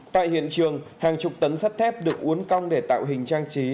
tại hiện trường hàng chục tấn sắt thép được uốn cong để tạo hình trang trí